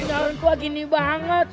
ya aduh ini orang tua gini banget